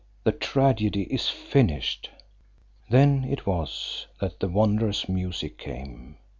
The tragedy is finished! Then it was that the wondrous music came.